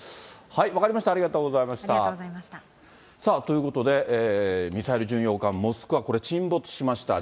分かりました、ありがとうございました。ということで、ミサイル巡洋艦モスクワ、これ、沈没しました。